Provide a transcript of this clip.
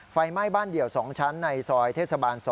ไฟไหม้บ้านเดี่ยว๒ชั้นในซอยเทศบาล๒